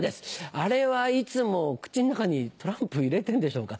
あれはいつも口の中にトランプ入れてんでしょうか。